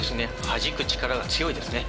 はじく力が強いですね。